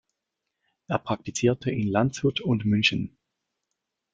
Er praktizierte in Landshut und München.